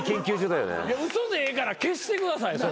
嘘でええから消してください。